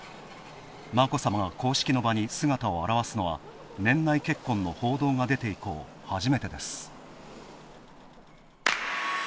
眞子さまは公式の場に姿を現すのは、年内結婚の報道が出て以降、初めてです。